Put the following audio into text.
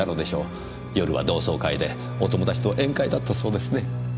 夜は同窓会でお友達と宴会だったそうですね。